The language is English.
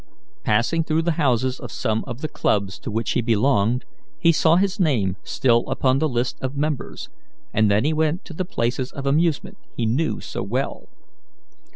Passing through the houses of some of the clubs to which he belonged, he saw his name still upon the list of members, and then he went to the places of amusement he knew so well.